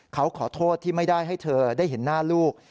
เขาขอโทษที่ไม่ได้ให้เธอได้เห็นหน้าลูก